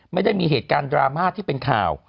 ไม่ได้มีเหตุการณ์ดราม่าที่เป็นข่าว